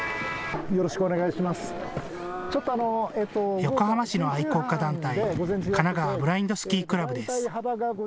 横浜市の愛好家団体、かながわブラインドスキークラブです。